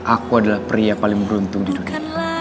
aku adalah pria paling beruntung di dunia